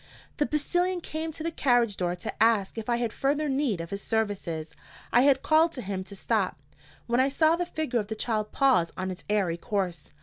The postilion came to the carriage door to ask if I had further need of his services. I had called to him to stop, when I saw the figure of the child pause on its airy course.